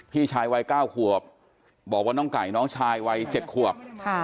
พี่ชายวัย๙ขวบบอกว่าน้องไก่น้องชายวัย๗ขวบ